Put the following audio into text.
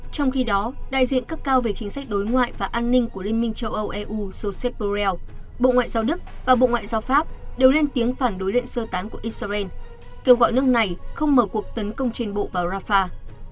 trong khi đó đại diện cấp cao về chính sách đối ngoại và an ninh của liên minh châu âu eu josep borrell bộ ngoại giao đức và bộ ngoại giao pháp đều lên tiếng phản đối lệnh sơ tán của israel kêu gọi nước này không mở cuộc tấn công trên bộ vào rafah